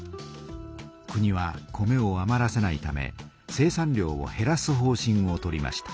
国は米をあまらせないため生産量をへらす方しんを取りました。